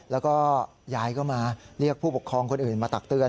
แล้วก็ยายก็มาเรียกผู้ปกครองคนอื่นมาตักเตือน